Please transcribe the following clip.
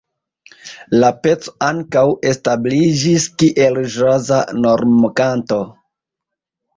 La peco ankaŭ establiĝis kiel ĵaza normkanto.